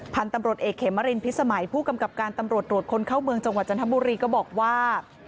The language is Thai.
พันธุ์ตำรวจเอกเขมรินพิสมัยผู้กำกับการตำรวจตรวจคนเข้าเมืองจังหวัดจันทบุรีก็บอกว่า